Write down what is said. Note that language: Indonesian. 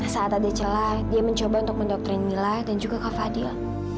saat ada celah dia mencoba untuk mendoktrin mila dan juga ke fadil